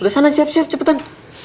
terus sana siap siap cepetan